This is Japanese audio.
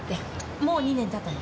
もう２年たったの？